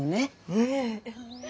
ええ。